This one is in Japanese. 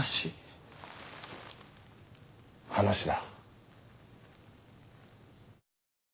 話だ。